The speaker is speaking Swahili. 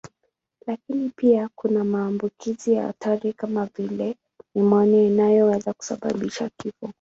Lakini pia kuna maambukizi ya hatari kama vile nimonia inayoweza kusababisha kifo.